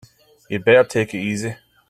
You'd better take it easy.